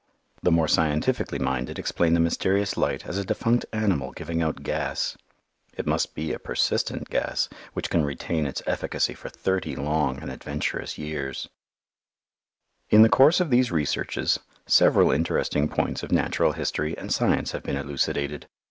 The more scientifically minded explain the mysterious light as a defunct animal giving out gas. It must be a persistent gas which can retain its efficacy for thirty long and adventurous years. [Illustration: THE YOHO] In the course of these researches several interesting points of natural history and science have been elucidated.